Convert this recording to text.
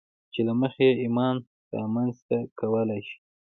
چې له مخې يې ايمان رامنځته کولای شئ.